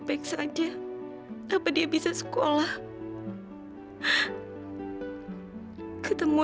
eh siapa lu